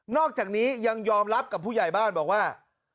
อกจากนี้ยังยอมรับกับผู้ใหญ่บ้านบอกว่า